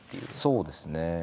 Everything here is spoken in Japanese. そうですね。